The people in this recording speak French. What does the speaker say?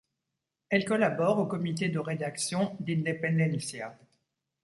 Elle collabore au comité de rédaction d'Independencia.